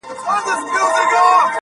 ته به په فکر وې، چي څنگه خرابيږي ژوند